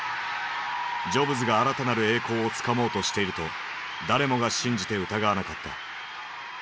ジョブズが新たなる栄光をつかもうとしていると誰もが信じて疑わなかった。